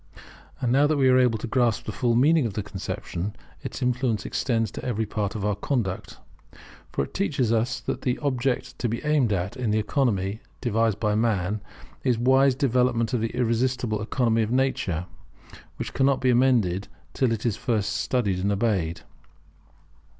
And now that we are able to grasp the full meaning of the conception, its influence extends to every part of our conduct. For it teaches us that the object to be aimed at in the economy devised by man, is wise development of the irresistible economy of nature, which cannot be amended till it is first studied and obeyed.